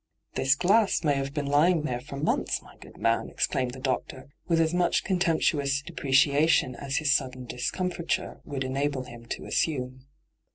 ' This glass may have been lying there for months, my good man,' exclaimed the doctor, with as much contemptuous depreciation as his sudden discomfiture would enable him to assume.